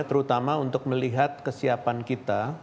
terutama untuk melihat kesiapan kita